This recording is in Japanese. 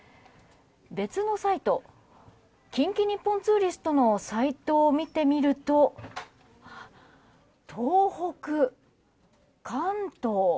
別のサイト近畿日本ツーリストのサイトを見てみると東北、関東